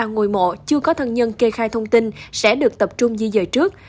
một bảy trăm bảy mươi ba ngôi mộ chưa có thân nhân kê khai thông tin sẽ được tập trung di rời trước